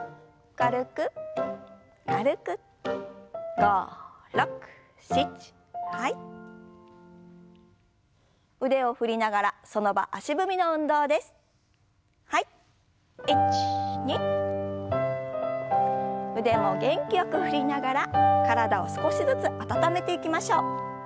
腕も元気よく振りながら体を少しずつ温めていきましょう。